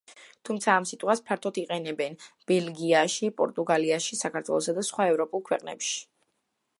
თუმცა ამ სიტყვას ფართოდ იყენებენ, ბელგიაში, პორტუგალიაში, საქართველოსა და სხვა ევროპულ ქვეყნებში.